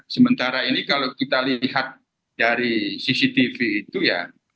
sementara ini kalau kita lihat dari cctv itu ya